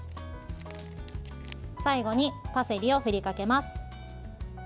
最後にパセリを振りかけます。